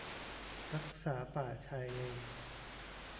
รักษาป่าชายเลน